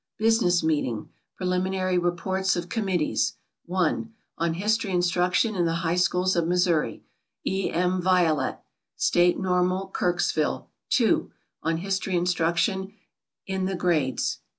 Business meeting. Preliminary reports of committees: 1. "On History Instruction in the High Schools of Missouri," E. M. Violette, State Normal, Kirksville. 2. "On History Instruction in the Grades."